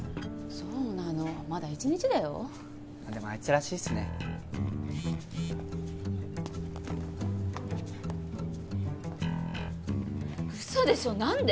そうなのまだ１日だよでもあいつらしいっすね嘘でしょ何で！？